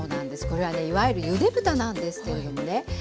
これはねいわゆるゆで豚なんですけれどもね